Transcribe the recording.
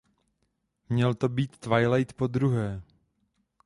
Měl to být Twilight podruhé.